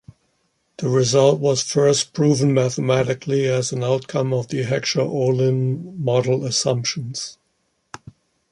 The result was first proven mathematically as an outcome of the Heckscher-Ohlin model assumptions.